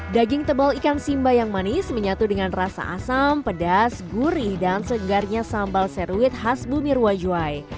daging tebal ikan simba yang manis menyatu dengan rasa asam pedas gurih dan segarnya sambal seruit khas bumi ruwajuai